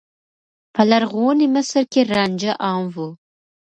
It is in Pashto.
په لرغوني مصر کې رانجه عام و.